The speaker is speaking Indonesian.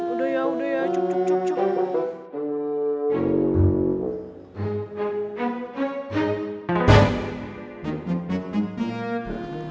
udah ya udah ya cukup cukup cukup